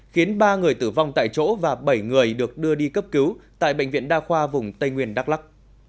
khiến ba người tử vong tại chỗ và bảy người được đưa đi cấp cứu tại bệnh viện đa khoa vùng tây nguyên đắk lắc